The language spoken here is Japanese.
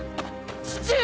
父上！